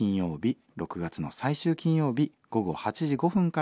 ６月の最終金曜日午後８時５分からの放送になります。